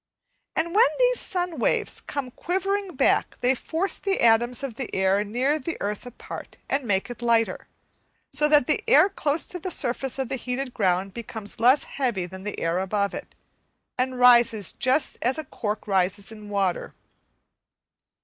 And when these sun waves come quivering back they force the atoms of the air near the earth apart and make it lighter; so that the air close to the surface of the heated ground becomes less heavy than the air above it, and rises just as a cork rises in water.